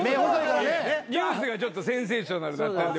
ニュースがちょっとセンセーショナルだったんで。